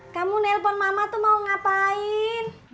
kamu nelpon mama tuh mau ngapain